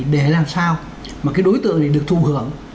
để làm sao mà đối tượng này được thù hưởng